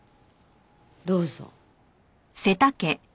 どうぞ。